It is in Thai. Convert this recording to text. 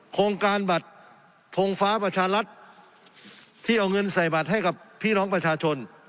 โครงการบัตรทงฟ้าประชารัฐที่เอาเงินใส่บัตรให้กับพี่น้องประชาชน